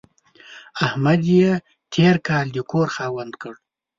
احمد يې تېر کال د کور خاوند کړ.